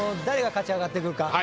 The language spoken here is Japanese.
誰が勝ち上がってくるか？